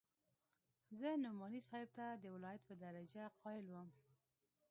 زه نعماني صاحب ته د ولايت په درجه قايل وم.